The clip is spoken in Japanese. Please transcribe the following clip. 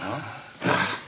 ああ？